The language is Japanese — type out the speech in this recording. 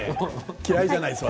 嫌いじゃないですよ